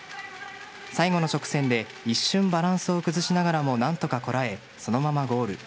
最後の直線で一瞬バランスを崩しながらも何とかこらえそのままゴール。